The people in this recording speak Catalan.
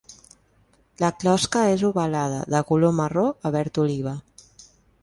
La closca és ovalada de color marró a verd oliva.